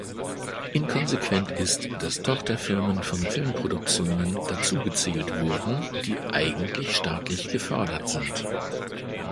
Inkonsequent ist, dass Tochterfirmen von Filmproduktionen dazu gezählt wurden, die eigentlich staatlich gefördert sind.